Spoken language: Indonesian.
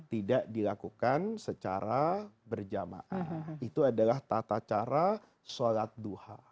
tidak dilakukan secara berjamaah itu adalah tata cara sholat duha